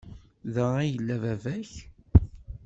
Da ay yella baba-k?